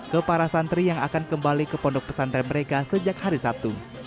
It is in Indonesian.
ke para santri yang akan kembali ke pondok pesantren mereka sejak hari sabtu